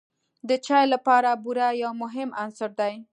د چای لپاره بوره یو مهم عنصر دی.